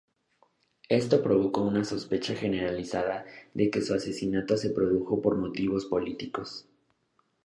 Esto provocó una sospecha generalizada de que su asesinato se produjo por motivos políticos.